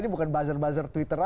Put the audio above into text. ini bukan buzzer buzzer twitter aja